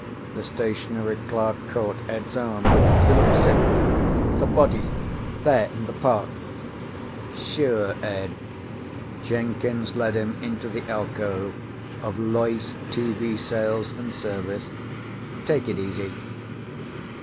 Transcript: The stationery clerk caught Ed's arm. "You look sick." "The body. There in the park." "Sure, Ed." Jenkins led him into the alcove of LOYCE TV SALES AND SERVICE. "Take it easy."